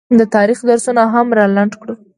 د تاریخ درسونه هم رالنډ کړو